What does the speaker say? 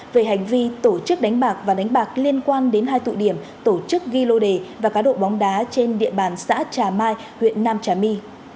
về hành vi tổ chức đánh bạc và đánh bạc liên quan đến hai tụ điểm tổ chức ghi lô đề và cá độ bóng đá trên địa bàn xã trà mai huyện nam trà my